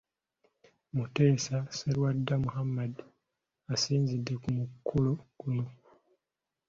Muteesa Sserwadda Muhammad asinzidde ku mukolo guno.